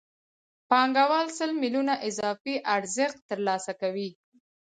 پانګوال سل میلیونه اضافي ارزښت ترلاسه کوي